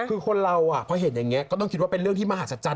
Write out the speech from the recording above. คือคนเราพอเห็นอย่างนี้ก็ต้องคิดว่าเป็นเรื่องที่มหัศจรร